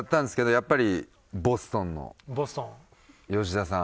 やっぱりボストンの吉田さん。